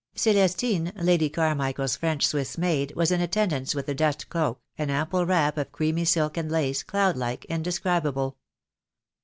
Celestine, Lady CarmichaePs French Swiss maid, was in attendance with the dust cloak, an ample wrap of creamy silk and lace, cloudlike, indescribable.